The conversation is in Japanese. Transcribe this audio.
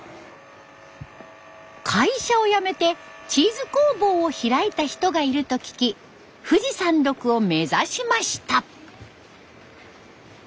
会社を辞めてチーズ工房を開いた人がいると聞き富士山麓を目指しました。